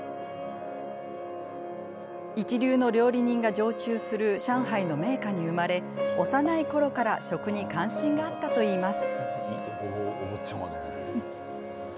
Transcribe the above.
一流の料理人が常駐する上海の名家に生まれ幼いころから食に関心があったといいます。